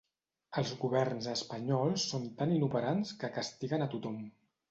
Els governs espanyols són tan inoperants que castiguen a tothom.